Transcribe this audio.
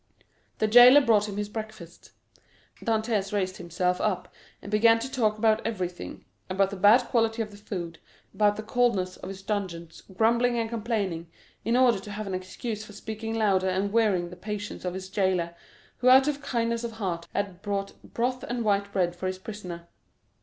The jailer brought him his breakfast. Dantès raised himself up and began to talk about everything; about the bad quality of the food, about the coldness of his dungeon, grumbling and complaining, in order to have an excuse for speaking louder, and wearying the patience of his jailer, who out of kindness of heart had brought broth and white bread for his prisoner.